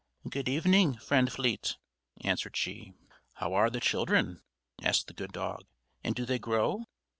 "Good evening, Friend Fleet," answered she. "How are the children?" asked the good dog, "and do they grow?"